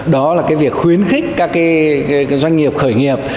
đó là cái việc khuyến khích các cái doanh nghiệp khởi nghiệp